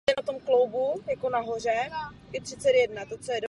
A jak roztomile štěbetáš!